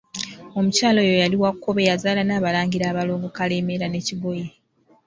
Omukyala oyo yali wa Kkobe, yazaala n'abalangira abalongo Kalemeera ne Kigoye.